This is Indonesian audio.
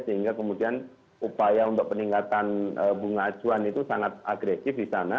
sehingga kemudian upaya untuk peningkatan bunga acuan itu sangat agresif di sana